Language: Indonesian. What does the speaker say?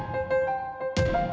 ternyata andi juga